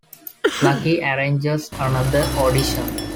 Lucky arranges another audition.